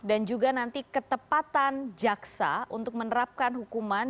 dan juga nanti ketepatan jaksa untuk menerapkan hukuman